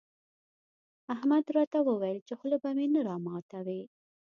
احمد راته وويل چې خوله به مې نه راماتوې.